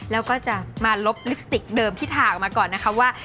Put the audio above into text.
แล้วก็จะมาลบลิปสติกเดิมที่ทาออกมาก่อนนะคะว่า